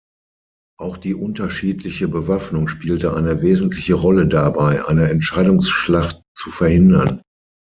Auch die unterschiedliche Bewaffnung spielte eine wesentliche Rolle dabei, eine Entscheidungsschlacht zu verhindern.